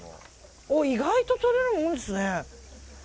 意外ととれるもんですね。